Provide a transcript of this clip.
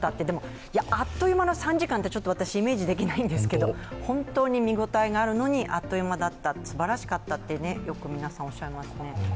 でも、あっという間の３時間って、ちょっとイメージできないんですけど、本当に見応えがあるのに、あっという間だった、すばらしかったってよく、皆さんおっしゃいますね。